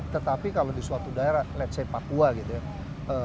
tetapi kalau di suatu daerah let's say papua gitu ya